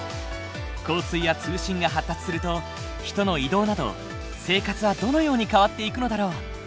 交通や通信が発達すると人の移動など生活はどのように変わっていくのだろう？